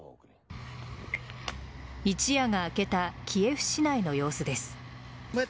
一夜が明けたキエフ市内の様子です。